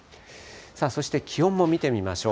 そして気温も見てみましょう。